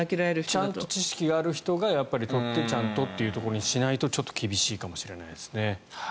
ちゃんと知識がある人が採ってちゃんとということにしないと厳しいかもしれないですね。